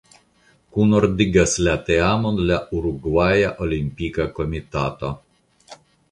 Kunordigas la teamon la Urugvaja Olimpika Komitato.